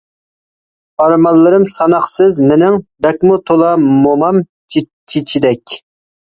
ئارمانلىرىم ساناقسىز مىنىڭ، بەكمۇ تولا. مومام چېچىدەك.